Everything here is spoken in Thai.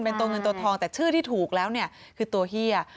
เป็นตัวเงินตัวทองแต่ชื่อที่ถูกแล้วเนี่ยคือตัวเฮีย